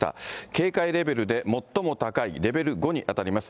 警戒レベルで最も高いレベル５に当たります。